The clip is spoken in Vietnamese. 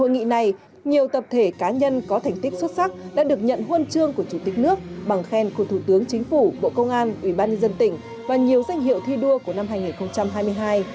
người cá nhân có thành tích xuất sắc đã được nhận huân chương của chủ tịch nước bằng khen của thủ tướng chính phủ bộ công an ubnd tỉnh và nhiều danh hiệu thi đua của năm hai nghìn hai mươi hai